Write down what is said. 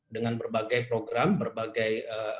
dengan berbagai program berbagai